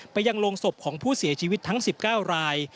ไปยังโรงศพของผู้เสียชีวิตทั้ง๑๙ราย